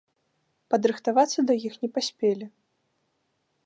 Падрыхтавацца да іх не паспелі.